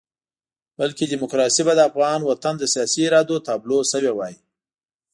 بلکې ډیموکراسي به د افغان وطن د سیاسي ارادې تابلو شوې وای.